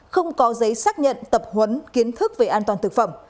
không có giấy xác nhận tập huấn kiến thức về an toàn thực phẩm